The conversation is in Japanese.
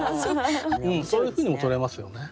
そういうふうにもとれますよね。